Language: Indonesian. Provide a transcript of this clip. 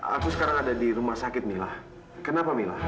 aku sekarang ada di rumah sakit mila kenapa mila